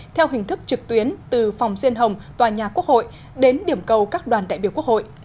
theo hình thức trực tuyến từ phòng diên hồng tòa nhà quốc hội đến điểm cầu các đoàn đại biểu quốc hội